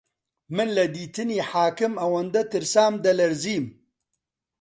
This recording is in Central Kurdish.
من لە دیتنی حاکم ئەوەندە ترسام دەلەرزیم